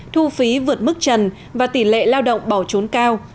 thu phí vượt mức trần và tỷ lệ lao động bỏ trốn cao